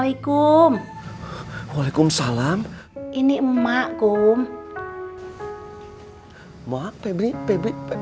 enggak gak apa apa